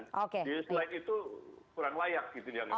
di selain itu kurang layak gitu